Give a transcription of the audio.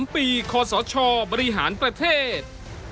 ๓ปีคศบริหารประเทศ